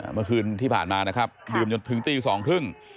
เมื่อคืนที่ผ่านมานะครับดื่มจนถึงตีสองครึ่ง